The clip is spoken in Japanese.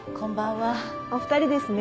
お二人ですね？